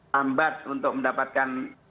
lambat untuk mendapatkan